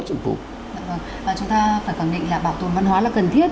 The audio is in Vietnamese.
chúng ta phải khẳng định là bảo tồn văn hóa là cần thiết